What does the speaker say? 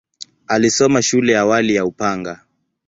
Alisoma shule ya awali ya Upanga.